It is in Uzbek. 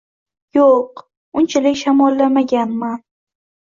- Yo‘q, unchalik shamollamaganman...